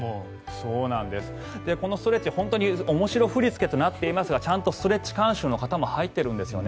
このストレッチ本当に面白振り付けとなっていますがちゃんとストレッチ監修の方も入っているんですよね。